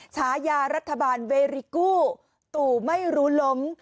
ฉายารัฐบาลเวริกู้ตู่ไม่รู้ล้ม